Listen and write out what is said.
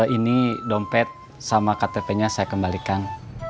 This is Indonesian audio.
ini dompet sama ktp nya saya kembalikan